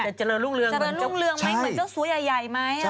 เจริญรุ่งเรืองเจริญรุ่งเรืองไหมเหมือนเจ้าสัวใหญ่ไหม